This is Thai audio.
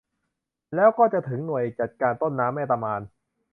แล้วก็จะถึงหน่วยจัดการต้นน้ำแม่ตะมาน